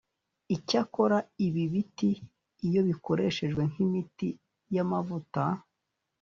Icyakora ibi biti iyo bikoreshejwe nk’imiti y’amavuta